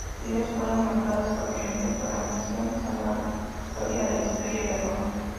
Sus ideas fueron marcadas fuertemente por la visión senatorial de la historia de Roma.